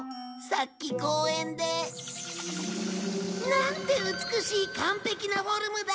さっき公園で。なんて美しい完璧なフォルムだ！